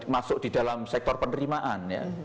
masuk di dalam sektor penerimaan ya